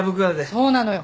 そうなのよ